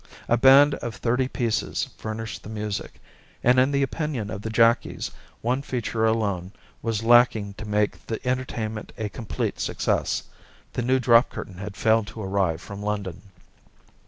A band of thirty pieces furnished the music, and in the opinion of the jackies one feature alone was lacking to make the entertainment a complete success the new drop curtain had failed to arrive from London.